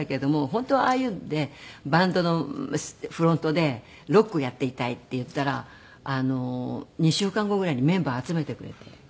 「本当はああいうのでバンドのフロントでロックをやっていたい」って言ったら２週間後ぐらいにメンバー集めてくれて。